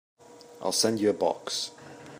I'll send you a box.